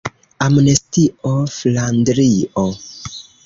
Amnestio Flandrio.